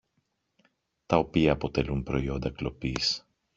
τα οποία αποτελούν προϊόντα κλοπής